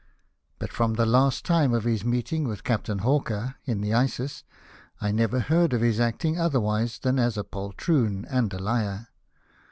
But, from the time of his meeting Captain Hawker, in the Isis, I never heard of his acting otherwise than as a poltroon and a liar.